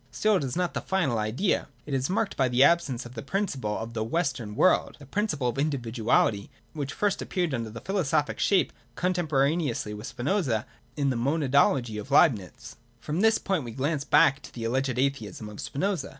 Still it is not the final idea. It is marked by the absence of the principle of the Western World, the principle of individuality, which first appeared under a philosophic shape, contemporaneously with Spinoza, in the Monadology of Leibnitz. From this point we glance back to the alleged atheism of Spinoza.